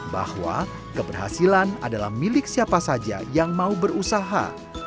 bahwa keberhasilan adalah milik siapa saja yang mau berusaha